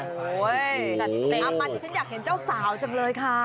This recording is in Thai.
โอ้ยอับมาที่ฉันอยากเห็นเจ้าสาวจังเลยค่ะ